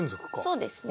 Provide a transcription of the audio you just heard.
そうですね。